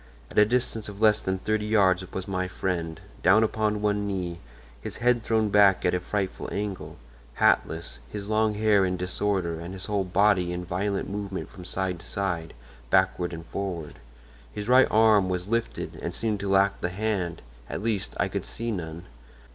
At a distance of less than thirty yards was my friend, down upon one knee, his head thrown back at a frightful angle, hatless, his long hair in disorder and his whole body in violent movement from side to side, backward and forward. His right arm was lifted and seemed to lack the hand—at least, I could see none.